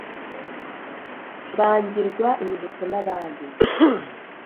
mbangirwa imiheto n'abandi